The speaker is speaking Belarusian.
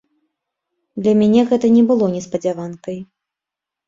Для мяне гэта не было неспадзяванкай.